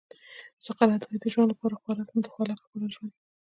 سقراط وایي د ژوند لپاره خوراک نه د خوراک لپاره ژوند.